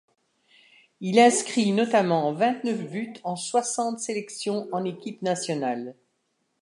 Il inscrit notamment vingt-neuf buts en soixante sélections en équipe nationale.